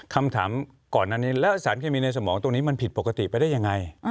คำถามก่อนอันนี้แล้วสารเคมีในสมองตรงนี้มันผิดปกติไปได้ยังไง